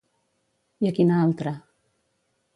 I a quina altra?